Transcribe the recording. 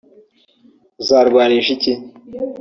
uzarwanisha iki